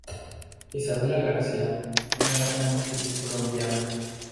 Isabella García, una gran actriz Colombiana.